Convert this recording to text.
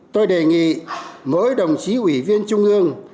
tôi đề nghị mỗi đồng chí ủy viên trung ương